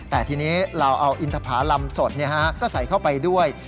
แต่ทีนี้เราเอาอินทภาลำสดก็ใส่เข้าไปด้วย